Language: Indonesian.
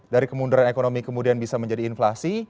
dari kemunduran ekonomi kemudian bisa menjadi inflasi